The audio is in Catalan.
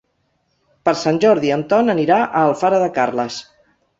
Per Sant Jordi en Ton anirà a Alfara de Carles.